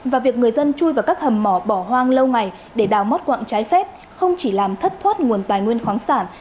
và việc người dân chui vào các hầm mỏ bỏ hoang lâu ngày để đào mót quặng trái phép không chỉ làm thất thoát nguồn tài nguyên khoáng sản